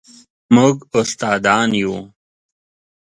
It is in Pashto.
موږ استادان یو